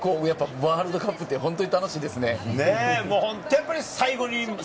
ワールドカップって本当に楽しいですね。